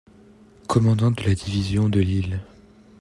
Commandant de la division de Lille.